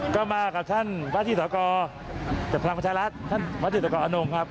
ก็มากับท่านบ้านที่สาวกอจากพลังประชารัฐท่านบ้านที่สาวกออนุงครับ